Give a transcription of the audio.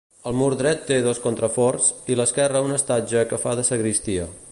El mur dret té dos contraforts i l'esquerra un estatge que fa de sagristia.